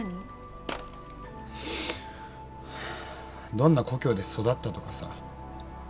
どんな故郷で育ったとかさ